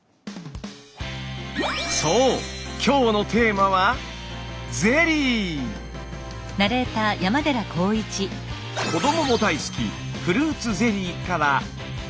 そう今日のテーマは子どもも大好きフルーツゼリーから。